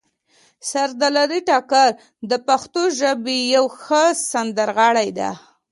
سردار علي ټکر د پښتو ژبې یو ښه سندرغاړی ده